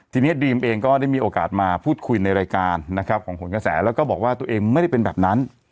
ทีนี้ดีมเองก็ได้มีโอกาสมาพูดคุยในรายการนะครับของผลกระแสแล้วก็บอกว่าตัวเองไม่ได้เป็นแบบนั้น